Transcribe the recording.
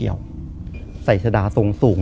สายเฉดาสวง